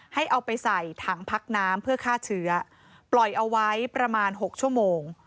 ให้เอาไปใส่ถังพักน้ำเพื่อฆ่าเชื้อปล่อยเอาไว้ประมาณ๖ชั่วโมง